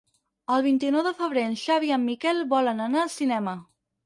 El vint-i-nou de febrer en Xavi i en Miquel volen anar al cinema.